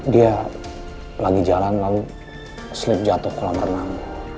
dia lagi jalan lalu slip jatuh kolam renang